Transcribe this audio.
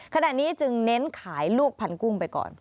ขณะนี้จึงเน้นขายลูกพันกุ้งไปก่อน